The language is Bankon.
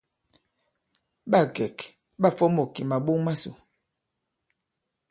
Ɓâ kɛ̀k ɓâ fomôk kì màɓok masò.